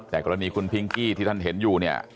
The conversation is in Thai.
แต่กรณีคุณพิงกี้ที่ท่านเห็นอยู่เนี่ย